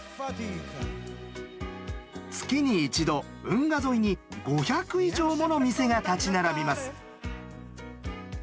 月に１度運河沿いに５００以上もの店が立ち並びます。